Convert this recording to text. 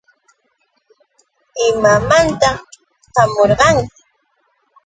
¿Imamantaq hamurqanki?